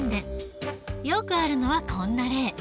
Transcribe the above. よくあるのはこんな例。